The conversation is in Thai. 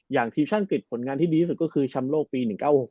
อย่างทีมชาติอังกฤษผลงานที่ดีที่สุดก็คือแชมป์โลกปี๑๙๖